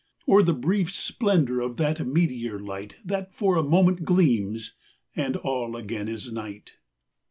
Or the brief splendour of that meteor light That for a moment gleams, and all again is night